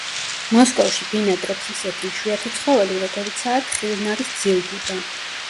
მოსკოვში ბინადრობს ისეთი იშვიათი ცხოველი, როგორიცაა თხილნარის ძილგუდა.